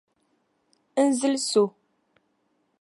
N zilisi o.